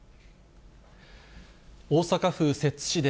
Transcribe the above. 大阪府摂津市で、